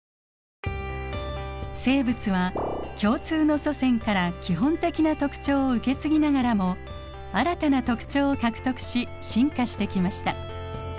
生物は共通の祖先から基本的な特徴を受け継ぎながらも新たな特徴を獲得し進化してきました。